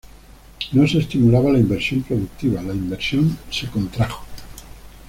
No se estimulaba la inversión productiva, la inversión se contrajo.